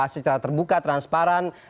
secara terbuka transparan